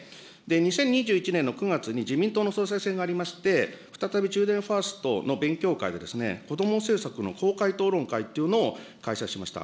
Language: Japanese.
２０２１年の９月に自民党の総裁選がありまして、再びチルドレンファーストの勉強会でこども政策の公開討論会というのを開催しました。